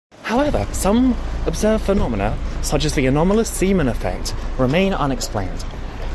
However some observed phenomena such as the anomalous Zeeman effect remain unexplained.